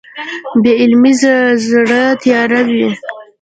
بې علمه زړه تیاره وي.